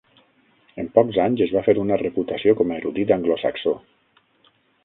En pocs anys es va fer una reputació com a erudit anglosaxó.